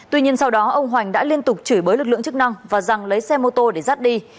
tuy nhiên sau đó ông hoành đã liên tục chửi bới lực lượng chức năng và rằng lấy xe mô tô để rắt đi